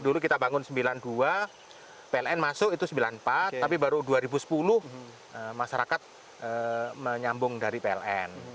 dulu kita bangun sembilan puluh dua pln masuk itu sembilan puluh empat tapi baru dua ribu sepuluh masyarakat menyambung dari pln